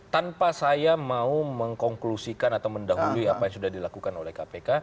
tanpa saya mau mengkonklusikan atau mendahului apa yang sudah dilakukan oleh kpk